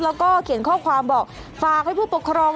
แล้วก็เขียนข้อความบอกฝากให้ผู้ปกครอง